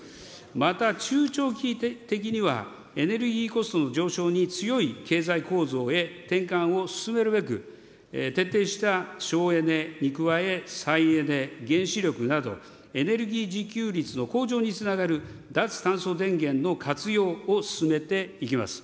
また中長期的には、エネルギーコストの上昇に強い経済構造へ転換を進めるべく、徹底した省エネに加え、再エネ、原子力など、エネルギー自給率の向上につながる、脱炭素電源の活用を進めていきます。